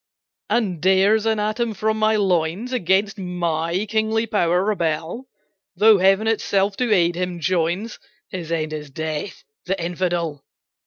"And dares an atom from my loins Against my kingly power rebel? Though heaven itself to aid him joins, His end is death the infidel!